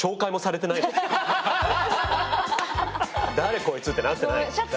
誰こいつってなってない？